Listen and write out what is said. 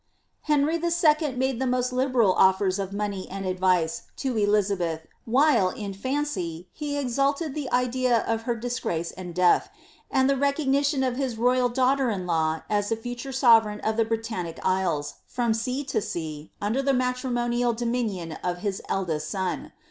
Henry 11. made the most liberal offers of money and advice to Eliza beth while, in fancy, he exulted in the idea of her disgrace and death, and the recognition of his royal daughter in law as the future sovereign of the Britannic Isles, from sea to sea, under the matrimonial dominion of his eldest son.